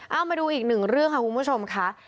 เอามาดูอีกหนึ่งเรื่องค่ะคุณผู้ชมค่ะ